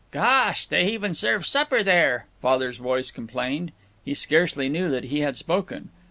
"Gosh! they even serve supper there!" Father's voice complained. He scarcely knew that he had spoken.